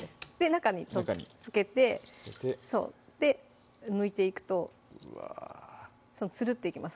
中につけてむいていくとツルッていけます